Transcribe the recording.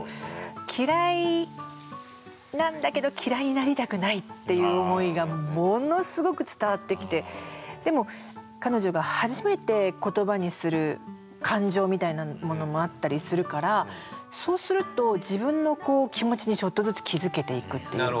嫌いなんだけど嫌いになりたくないっていう思いがものすごく伝わってきてでも彼女が初めて言葉にする感情みたいなものもあったりするからそうすると自分のこう気持ちにちょっとずつ気付けていくっていうか。